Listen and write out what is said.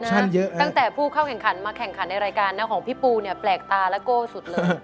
เยอะตั้งแต่ผู้เข้าแข่งขันมาแข่งขันในรายการนะของพี่ปูเนี่ยแปลกตาและโก้สุดเลย